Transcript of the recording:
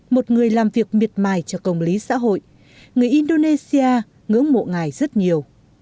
một người làm việc miệt mài cho công lý xã hội người indonesia ngưỡng mộ ngài rất nhiều